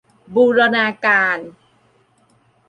บูรณาการ